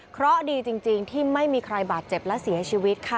เพราะดีจริงที่ไม่มีใครบาดเจ็บและเสียชีวิตค่ะ